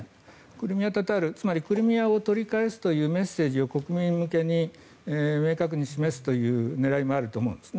クリミア・タタールつまりクリミアを取り返すというメッセージを国民向けに明確に示すという狙いもあると思います。